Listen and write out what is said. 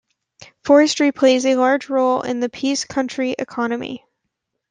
Forestry plays a large role in the Peace Country economy.